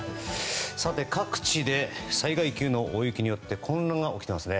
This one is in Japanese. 各地で災害級の大雪によって混乱が起きていますね。